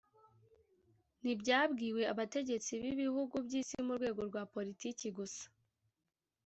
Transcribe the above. ntibyabwiwe abategetsi b’ibihugu by’isi mu rwego rwa Politiki gusa